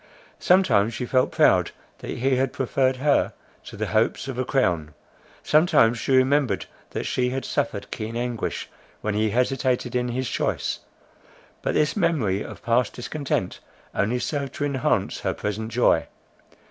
Sometimes she felt proud that he had preferred her to the hopes of a crown. Sometimes she remembered that she had suffered keen anguish, when he hesitated in his choice. But this memory of past discontent only served to enhance her present joy.